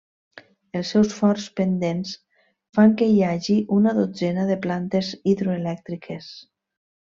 Els seus forts pendents fan que hi hagi una dotzena de plantes hidroelèctriques.